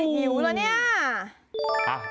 หิวแล้วเนี่ย